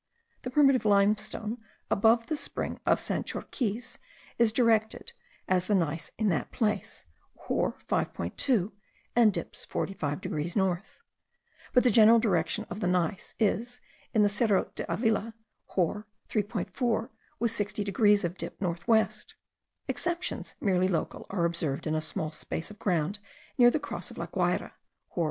The primitive limestone above the spring of Sanchorquiz, is directed, as the gneiss in that place, hor. 5.2, and dips 45 degrees north; but the general direction of the gneiss is, in the Cerro de Avila, hor. 3.4 with 60 degrees of dip north west. Exceptions merely local are observed in a small space of ground near the Cross of La Guayra (hor.